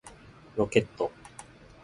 ロケット